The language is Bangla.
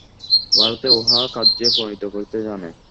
ভারত উহা কার্যে পরিণত করিতে জানে।